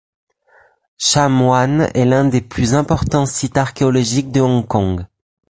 Sham Wan est l'un des plus importants sites archéologiques de Hong Kong.